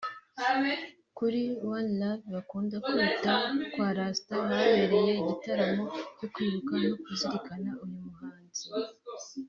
Kuri one love bakunda kwita kwa Rasta habereye igitaramo cyo kwibuka no kuzirikana uyu muhanzi